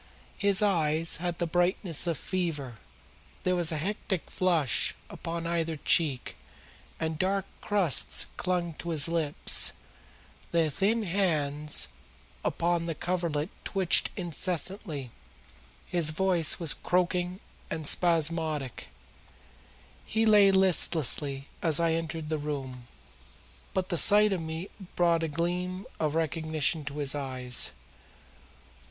His eyes had the brightness of fever, there was a hectic flush upon either cheek, and dark crusts clung to his lips; the thin hands upon the coverlet twitched incessantly, his voice was croaking and spasmodic. He lay listlessly as I entered the room, but the sight of me brought a gleam of recognition to his eyes.